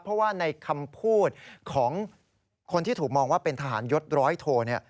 เพราะว่าในคำพูดของคนที่ถูกมองว่าเป็นทหารยศร้อยโทเนี่ย